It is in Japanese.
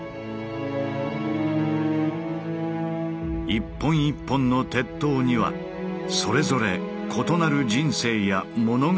１本１本の鉄塔にはそれぞれ異なる人生や物語があった。